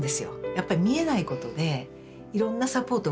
やっぱり見えないことでいろんなサポートがいるしね。